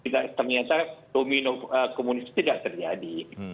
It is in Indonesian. ternyata domino komunis tidak terjadi